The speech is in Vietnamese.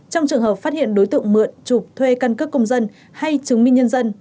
trong trường hợp phát hiện đối tượng mượn chụp thuê căn cước công dân hay chứng minh nhân dân